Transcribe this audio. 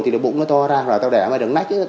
thì bụng nó to ra rồi tao đẻ mày đừng nách